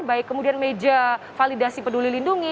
baik kemudian meja validasi peduli lindungi